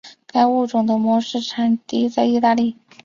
该物种的模式产地在意大利。